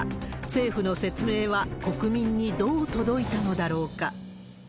政府の説明は、国民にどう届いたのだろうか。